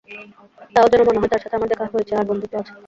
তাও যেন মনে হয় তার সাথে আমার দেখা হয়েছে আর বন্ধুত্ব আছে।